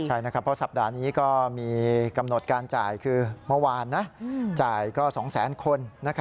ใช่พอสัปดาห์นี้ก็มีกำหนดการจ่ายคือเมื่อวานจ่ายก็๒๐๐๐๐๐คน